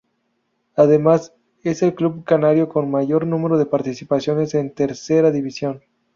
Además, es el club canario con mayor número de participaciones en Tercera División.